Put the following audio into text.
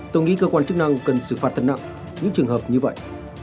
tôi nghĩ cơ quan chức năng cần xử phạt thật nặng những trường hợp như vậy